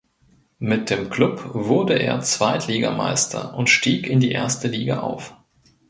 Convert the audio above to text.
Mit dem Klub wurde er Zweitligameister und stieg in die erste Liga auf.